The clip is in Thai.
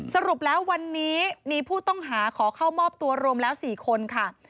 สรุปแล้ววันนี้มีผู้ต้องหาขอเข้ามอบตัวรวมแล้ว๔คนค่ะ